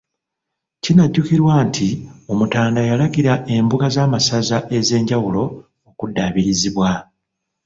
Kinajjukirwa nti Omutanda yalagira embuga z'amasaza ez'enjawulo okuddabirizibwa.